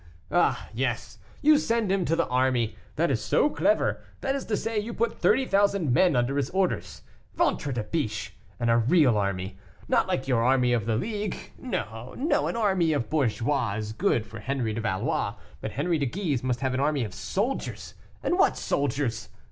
Ah, yes, you send him to the army that is so clever; that is to say, you put thirty thousand men under his orders, ventre de biche! and a real army, not like your army of the League; no, no, an army of bourgeois is good for Henri de Valois, but Henri de Guise must have an army of soldiers and what soldiers?